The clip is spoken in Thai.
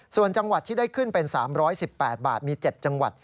ส่วนจังหวัดที่ได้ขึ้นเป็น๓๑๘บาทมี๗จังหวัด